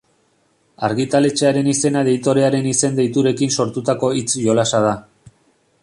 Argitaletxearen izena editorearen izen-deiturekin sortutako hitz-jolasa da.